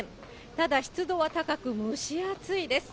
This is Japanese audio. ただ湿度は高く、蒸し暑いです。